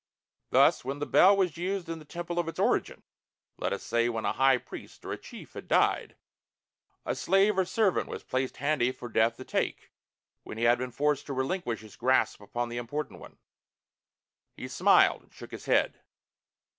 Thus when the bell was used in the temple of its origin let us say when a high priest or a chief had died a slave or servant was placed handy for Death to take when he had been forced to relinquish his grasp upon the important one." He smiled, shook his head.